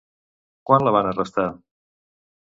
Quan la van arrestar?